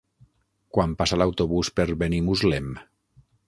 Quan passa l'autobús per Benimuslem?